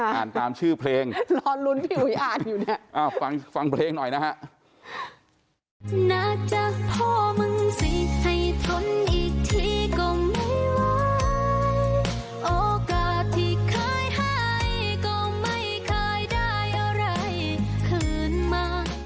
อ่าหาอารแบบข้าทำชื่อเพลงรอนรุ้นที่อุ๊ยอ่านอยู่เนี้ยว่าฟังฟังเพลงหน่อยนะฮะ